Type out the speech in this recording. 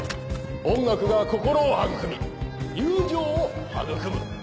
音楽が心を育み友情を育む。